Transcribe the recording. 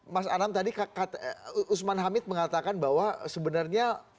mas anam tadi usman hamid mengatakan bahwa sebenarnya